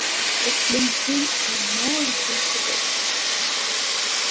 H. Benson, a Norwegian settler.